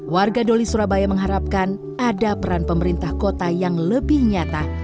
warga doli surabaya mengharapkan ada peran pemerintah kota yang lebih nyata